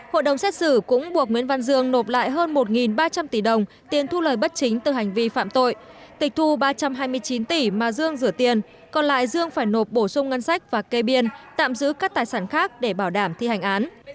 hội đồng xét xử cũng buộc nguyễn văn dương nộp lại hơn một ba trăm linh tỷ đồng tiền thu lời bất chính từ hành vi phạm tội tịch thu ba trăm hai mươi chín tỷ mà dương rửa tiền còn lại dương phải nộp bổ sung ngân sách và cây biên tạm giữ các tài sản khác để bảo đảm thi hành án